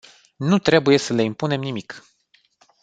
Nu trebuie să le impunem nimic.